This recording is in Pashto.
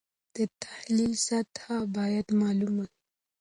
د تحلیل سطحه باید معلومه وي.